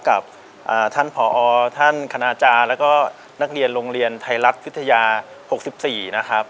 กับท่านผอท่านคณาจารย์แล้วก็นักเรียนโรงเรียนไทยรัฐวิทยา๖๔นะครับ